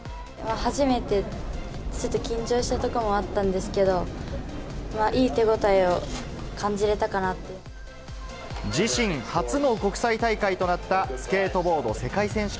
初めてで、ちょっと緊張したとこもあったんですけど、いい手応えを感じれた自身初の国際大会となった、スケートボード世界選手権。